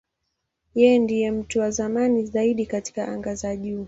Yeye ndiye mtu wa zamani zaidi katika anga za juu.